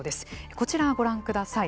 こちらをご覧ください。